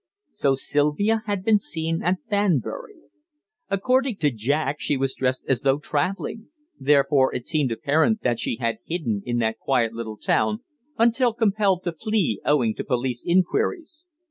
So Sylvia had been seen at Banbury. According to Jack, she was dressed as though travelling; therefore it seemed apparent that she had hidden in that quiet little town until compelled to flee owing to police inquiries.